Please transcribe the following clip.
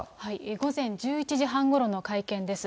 午前１１時半ごろの会見です。